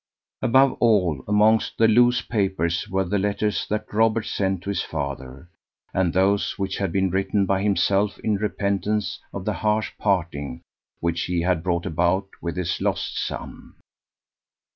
Above all, amongst the loose papers were the letters that Robert sent to his father, and those which had been written by himself in repentance of the harsh parting which he had brought about with his lost son.